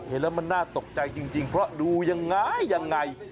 เห็นแล้วมันน่าตกใจจริงเพราะดูยังไงยังไง